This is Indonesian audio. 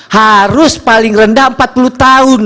harus paling rendah empat puluh tahun